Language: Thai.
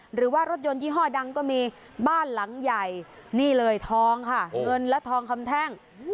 หรือว่ารถยนต์ยี่ห้อดังก็มีบ้านหลังใหญ่นี่เลยทองค่ะเงินและทองคำแท่ง